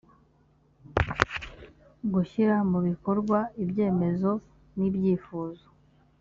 gushyira mu bikorwa ibyemezo n ibyifuzo